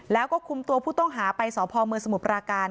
แล้วก็คุมตัวผู้ต้องหาไปสพเมืองสมุทรปราการ